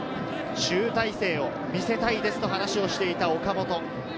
集大成を見せたいですと話をしていた岡本。